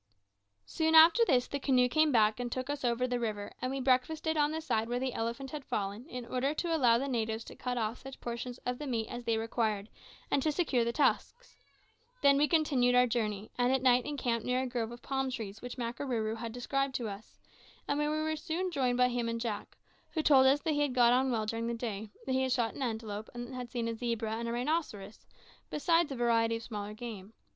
Soon after this the canoe came back and took us over the river; and we breakfasted on the side where the elephant had fallen, in order to allow the natives to cut off such portions of the meat as they required, and to secure the tusks. Then we continued our journey, and at night encamped near a grove of palm trees which Makarooroo had described to us, and where we were soon joined by him and Jack, who told us that he had got on well, during the day that he had shot an antelope, and had seen a zebra and a rhinoceros, besides a variety of smaller game.